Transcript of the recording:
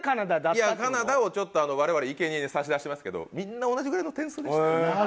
いや金田をちょっと我々いけにえに差し出してますけどみんな同じぐらいの点数でした。